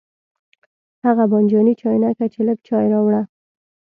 هغه بانجاني چاینکه کې لږ چای راوړه.